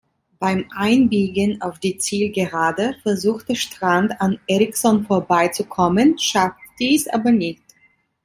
Beim Einbiegen auf die Zielgerade versuchte Strand an Eriksson vorbeizukommen, schaffte dies aber nicht.